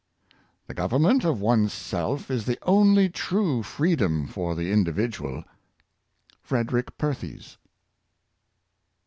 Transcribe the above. " The government of one's self is the only true freedom for the individual.'' Frederick Perthes.